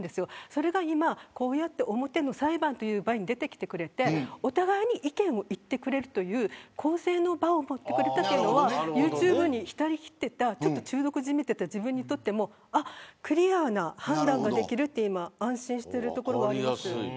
それが今こうやって表の裁判という場に出てきてくれてお互いに意見を言ってくれるという公正な場を持ってくれたというのはユーチューブに浸りきっていた中毒じみてた自分にとってもクリアな判断ができると安心しているところがあります。